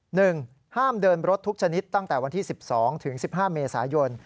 หนึ่งห้ามเดินรถทุกชนิดตั้งแต่วันที่๑๒ถึง๑๕เมษายน